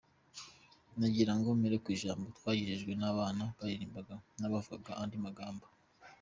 Nagira ngo mpere ku ijambo twagejejweho n’abana baririmbaga n’abavugaga andi magambo.